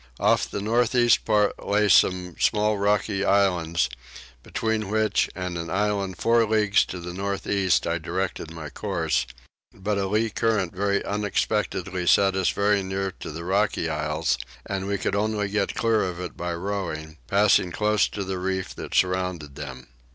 Off the north east part lay some small rocky islands, between which and an island 4 leagues to the north east I directed my course; but a lee current very unexpectedly set us very near to the rocky isles, and we could only get clear of it by rowing, passing close to the reef that surrounded them.